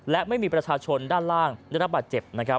และไม่มีประชาชนด้านล่างได้รับบาดเจ็บนะครับ